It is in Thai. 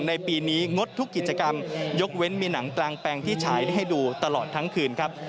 ในปีนี้งดทุกกิจกรรมยกเว้นมีหนังกลางแปลงที่ใช้ให้ดูตลอดทั้งคืนครับ